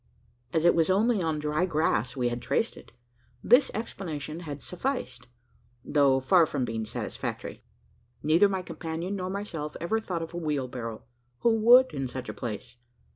As it was only on dry grass we had traced it, this explanation had sufficed though far from being satisfactory. Neither my companion nor myself ever thought of a wheelbarrow. Who would, in such a place?